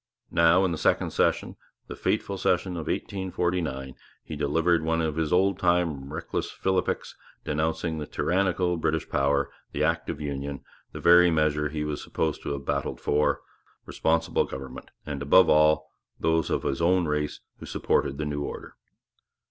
Now, in the second session, the fateful session of 1849, he delivered one of his old time reckless philippics denouncing the tyrannical British power, the Act of Union the very measure he was supposed to have battled for responsible government, and, above all, those of his own race who supported the new order.